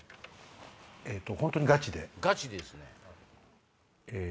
本当にガチで。